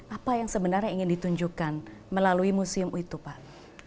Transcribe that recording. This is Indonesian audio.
apa yang sebenarnya ingin ditunjukkan melalui museum itu pak